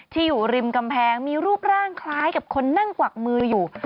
อยู่ริมกำแพงมีรูปร่างคล้ายกับคนนั่งกวักมืออยู่